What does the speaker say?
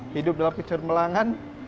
hidup dalam kecermelangan